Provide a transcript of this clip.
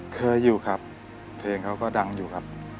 เคยอยู่ครับเพลงเขาก็ดังอยู่ครับ